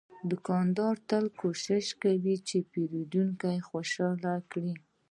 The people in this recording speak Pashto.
دوکاندار تل کوشش کوي چې پیرودونکی خوشاله کړي.